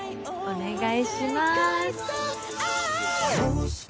お願いします。